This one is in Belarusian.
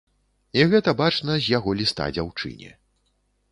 І гэта бачна з яго ліста дзяўчыне.